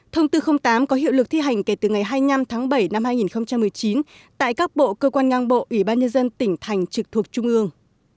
thông tư tám có hiệu lực thi hành kể từ ngày hai mươi năm tháng bảy năm hai nghìn một mươi chín tại các bộ cơ quan ngang bộ ủy ban nhân dân tỉnh thành trực thuộc trung ương